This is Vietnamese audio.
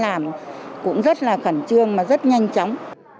và rất nhanh chóng